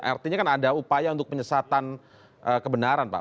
artinya kan ada upaya untuk penyesatan kebenaran pak